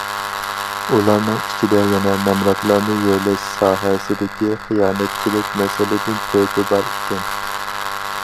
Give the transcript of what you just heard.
ئۇلارنىڭ ئىچىدە يەنە، نامراتلارنى يۆلەش ساھەسىدىكى خىيانەتچىلىك مەسىلىدىن تۆتى بار ئىكەن.